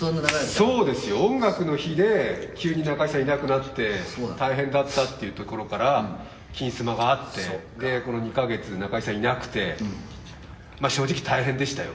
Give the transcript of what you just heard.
そうですよ、「音楽の日」で急に中居さんいなくなって、大変だったってところから、「金スマ」があって、この２か月、中居さんいなくて正直大変でしたよ。